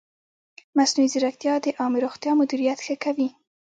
مصنوعي ځیرکتیا د عامې روغتیا مدیریت ښه کوي.